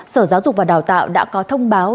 sở giáo dục và đào tạo đã có thông báo